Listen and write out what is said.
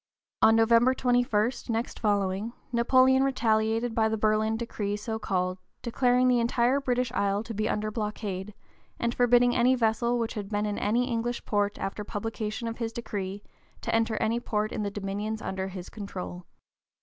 On November 21, next following, Napoleon retaliated by the Berlin decree, so called, declaring the entire British Isles to be under blockade, and forbidding any vessel which had been in any English port after publication of his decree to enter any port in the dominions under his control.